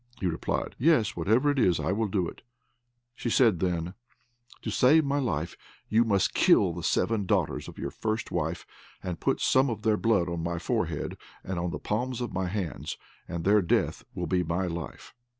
He replied, "Yes, whatever it is, I will do it." She then said, "To save my life, you must kill the seven daughters of your first wife, and put some of their blood on my forehead and on the palms of my hands, and their death will be my life."